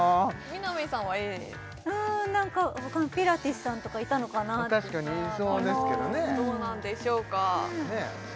南さんはＡうーん何かピラティスさんとかいたのかなって確かにいそうですけどねどうなんでしょうか